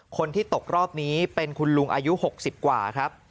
คนที่ตกรอบนี้เป็นคุณลุงอายุ๖๐กว่าครับ